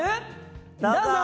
どうぞ！